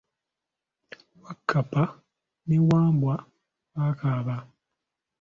Wakkapa ne Wambwa bakaaba.